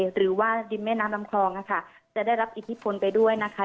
หรือว่าริมแม่น้ำลำคลองนะคะจะได้รับอิทธิพลไปด้วยนะคะ